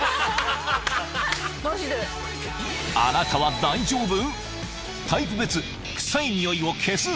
あなたは大丈夫？